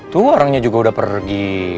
tuh orangnya juga udah pergi